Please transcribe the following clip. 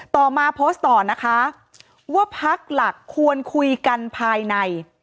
ต่อมาโพสต์ต่อนะคะว่าพักหลักควรคุยกันภายใน